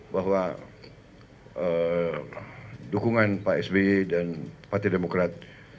bahwa dukungan pak sby dan partai demokrat